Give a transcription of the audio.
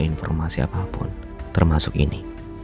informasi apapun termasuk ini